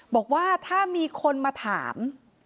บอกว่าถ้ามีคนมาถาม